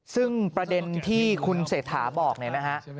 ซึ่งประเด็นที่คุณเศรษฐาบอกเนี่ยนะฮะ